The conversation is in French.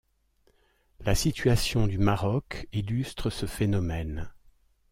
La situation du Maroc illustre ce phénomène.